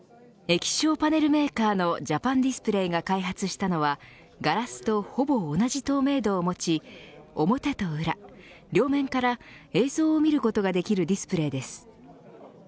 液晶パネルメーカーのジャパンディスプレイが開発したのはガラスとほぼ同じ透明度をもち表と裏、両面から映像を見ることができるディスプレーです。